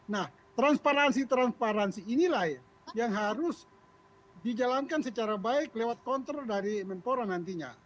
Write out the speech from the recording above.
nah transparansi transparansi inilah yang harus dijalankan secara baik lewat kontrol dari menpora nantinya